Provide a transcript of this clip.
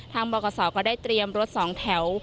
ทางบรกษอก็ได้เตรียมรถ๒แถว